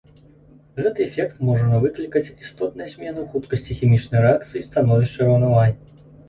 Гэты эфект можа выклікаць істотныя змены ў хуткасці хімічнай рэакцыі і становішчы раўнавагі.